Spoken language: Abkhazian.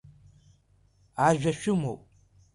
Ажәа шәымоуп!